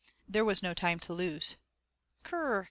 There was no time to lose. 'Krrr!